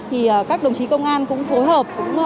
thì các đồng chí công an cũng phối hợp